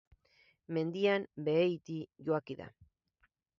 Mendian beheiti joaki da.